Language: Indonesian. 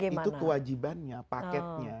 itu kewajibannya paketnya